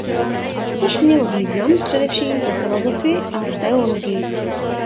Což mělo význam především pro filosofii a teologii.